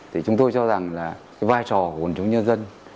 thì chúng tôi cho rằng là vai trò của quân chủ nhân dân